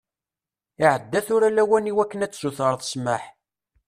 Iɛedda tura lawan i wakken ad tsutreḍ ssmaḥ.